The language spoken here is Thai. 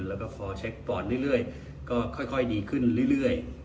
แล้วก็พอเช็คปอร์ตเรื่อยก็ค่อยดีขึ้นเรื่อย